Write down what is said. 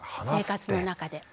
生活の中で。